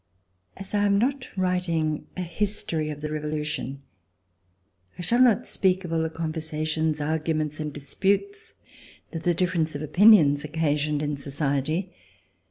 As I am not writing a history of the Revolution, I shall not speak of all the conversations, arguments and disputes that the difference of opinions occasioned in society.